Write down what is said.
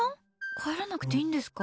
帰らなくていいんですか？